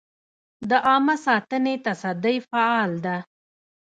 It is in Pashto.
د عامه ساتنې تصدۍ فعال ده؟